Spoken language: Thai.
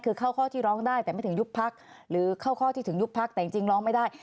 คือเข้าข้อที่ร้องได้แต่ไม่ถึงยุบพักหรือเข้าข้อที่ถึงยุบพักแต่จริงร้องไม่ได้